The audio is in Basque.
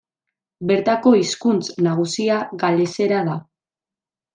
Bertako hizkuntz nagusia galesera da.